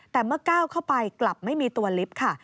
แต่เมื่อก้าวเข้าไปกลับไม่มีตัวลิฟต์ค่ะ